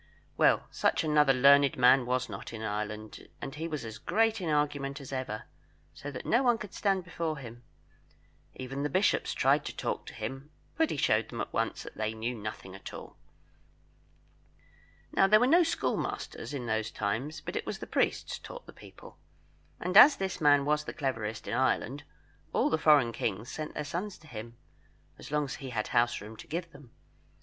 Well, such another learned man was not in Ireland, and he was as great in argument as ever, so that no one could stand before him. Even the bishops tried to talk to him, but he showed them at once they knew nothing at all. Now, there were no schoolmasters in those times, but it was the priests taught the people; and as this man was the cleverest in Ireland, all the foreign kings sent their sons to him, as long as he had house room to give them.